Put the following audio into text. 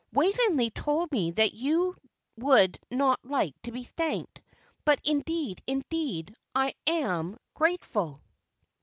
Waveney told me that you would not like to be thanked; but indeed, indeed, I am grateful."